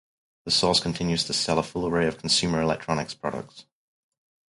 The Source continues to sell a full array of consumer electronics products.